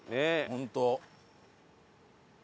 ホント。